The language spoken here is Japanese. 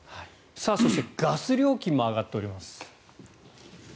そしてガス料金も上がっております。